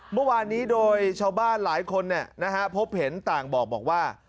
เมื่อวานนี้โดยชาวบ้านหลายคนพบเห็นต่างบอกว่า